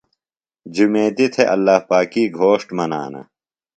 جُمیتیۡ تھےۡ اللہ پاکی گھوݜٹ منانہ۔